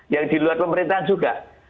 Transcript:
yang di luar pemerintahan juga